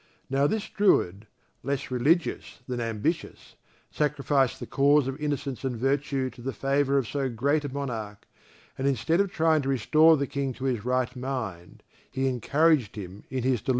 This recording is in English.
Now this Druid, less religious than ambitious, sacrificed the cause of innocence and virtue to the favour of so great a monarch, and instead of trying to restore the King to his right mind, he encouraged him in his delusion.